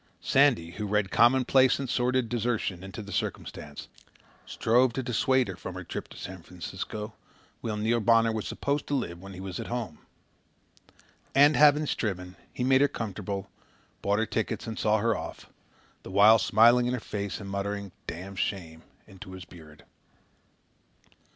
Sandy, who read commonplace and sordid desertion into the circumstance, strove to dissuade her from her trip to San Francisco, where Neil Bonner was supposed to live when he was at home. And, having striven, he made her comfortable, bought her tickets and saw her off, the while smiling in her face and muttering "dam shame" into his beard.